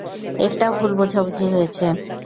একটা ভুল বোঝাবুঝি হয়েছে।